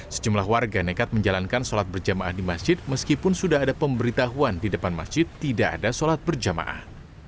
sejumlah warga nekat menjalankan sholat berjamaah di masjid meskipun sudah ada pemberitahuan di depan masjid tidak ada sholat berjamaah